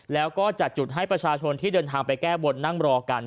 แล้วก็จัดจุดให้ประชาชนที่เดินทางไปแก้บนนั่งรอกัน